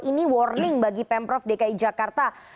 ini warning bagi pemprov dki jakarta